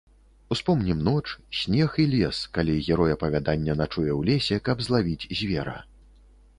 Успомнім ноч, снег і лес, калі герой апавядання начуе ў лесе, каб злавіць звера.